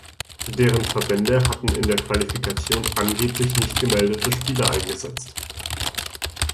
Deren Verbände hatten in der Qualifikation angeblich nicht gemeldete Spieler eingesetzt.